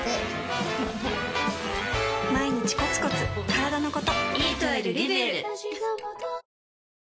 毎日コツコツからだのこと